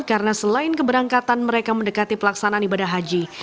karena selain keberangkatan mereka mendekati pelaksanaan ibadah haji